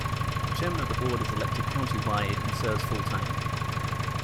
The chairman of the board is elected county-wide and serves full-time.